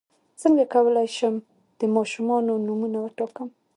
څنګه کولی شم د ماشومانو نومونه وټاکم